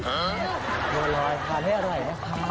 มาแล้วบ่ระลอยขาดให้อร่อยนะครับ